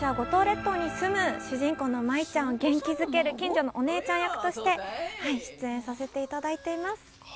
私は五島列島に住む主人公の舞ちゃんを元気づける近所のお姉ちゃん役として出演させていただいています。